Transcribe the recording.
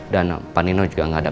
dan panino juga gak ada